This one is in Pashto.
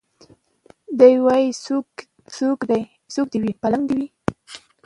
دی وايي څوکۍ دي وي پالنګ دي وي